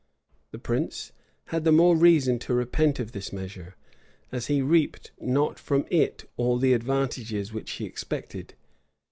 The prince had the more reason to repent of this measure, as he reaped not from it all the advantage which he expected.